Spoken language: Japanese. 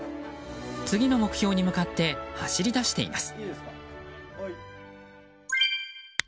次の目標に向かって走り出しています。